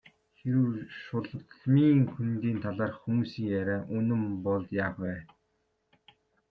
Хэрэв Шулмын хөндийн талаарх хүмүүсийн яриа үнэн бол яах вэ?